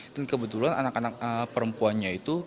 dan kebetulan anak anak perempuannya itu